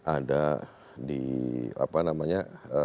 ada di apa namanya